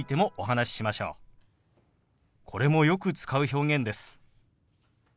これもよく使う表現です。